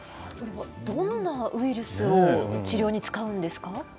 どんなウイルスを治療に使うんですか。